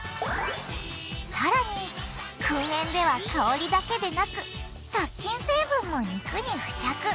さらに燻煙では香りだけでなく殺菌成分も肉に付着。